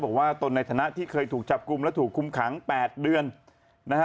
ตนในฐานะที่เคยถูกจับกลุ่มและถูกคุมขัง๘เดือนนะฮะ